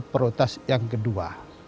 perotas yang kedua